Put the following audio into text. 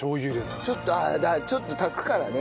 ちょっとああちょっと炊くからね。